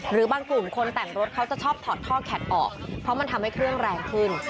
หรือบางกลุ่มคนแต่งรถเขาจะชอบถอดท่อแข็ดออกเพราะมันทำให้เครื่องแรงขึ้น